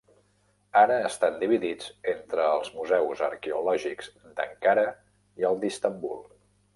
Ara estan dividits entre els museus arqueològics d"Ankara i el d"Istanbul.